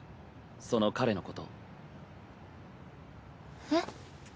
その彼のことえっ？